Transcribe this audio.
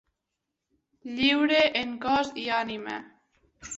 Lliure en cos i ànima.